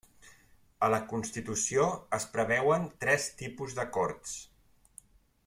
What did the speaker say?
A la Constitució es preveuen tres tipus de Corts: